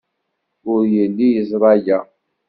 Ur yelli yeẓra aya.